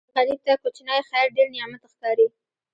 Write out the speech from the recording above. غریب ته کوچنی خیر ډېر نعمت ښکاري